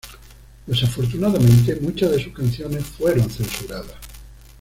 Desafortunadamente, muchas de sus canciones fueron censuradas.